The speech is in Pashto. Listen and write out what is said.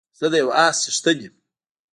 زه د يو اس څښتن يم